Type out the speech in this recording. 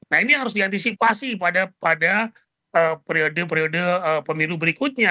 nah ini harus diantisipasi pada periode periode pemilu berikutnya